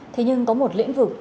thế nhưng có một lĩnh vực